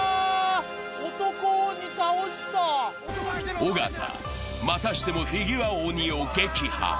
尾形、またしてもフィギュア鬼を撃破。